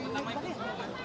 ya pak pengen foto lagi